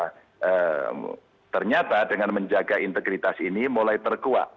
nah ternyata dengan menjaga integritas ini mulai terkuat